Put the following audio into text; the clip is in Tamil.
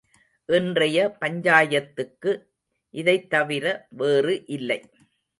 இன்றைய பஞ்சாயத்துக்கு இதைத்தவிர வேறு இல்லை.